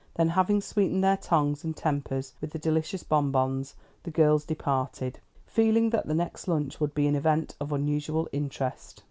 Then, having sweetened their tongues and tempers with the delicious bonbons, the girls departed, feeling that the next lunch would be an event of unusual interest.